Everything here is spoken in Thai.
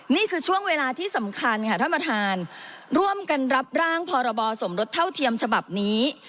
นี่คือช่วงเวลาที่สำคัญค่ะท่านประธานร่วมกันรับร่างพรบสมรสเท่าเทียมฉบับนี้